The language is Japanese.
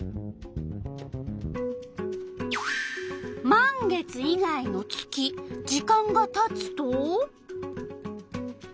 満月以外の月時間がたつと？